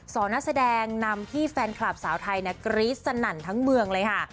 สองนักแสดงนำที่แฟนคลับสาวไทยกรี๊ดสนั่นทั้งเมืองเลยค่ะ